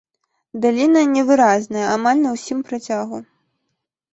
Даліна невыразная амаль на ўсім працягу.